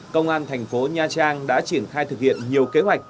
công an thành phố nha trang đã triển khai thực hiện nhiều kế hoạch